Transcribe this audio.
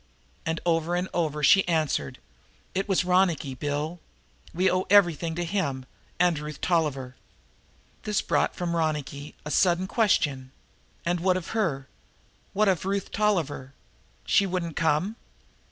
And over and over she answered: "It was Ronicky, Bill. We owe everything to him and Ruth Tolliver." This brought from Ronicky a sudden question: "And what of her? What of Ruth Tolliver? She wouldn't come?"